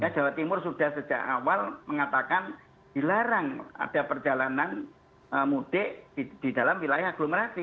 jawa timur sudah sejak awal mengatakan dilarang ada perjalanan mudik di dalam wilayah aglomerasi